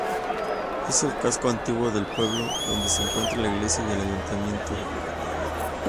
Es el casco antiguo del pueblo, donde se encuentra la iglesia y el ayuntamiento.